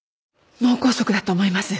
脳梗塞だと思います。